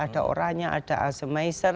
ada oranya ada alsemaiser